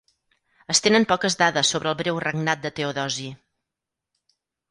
Es tenen poques dades sobre el breu regnat de Teodosi.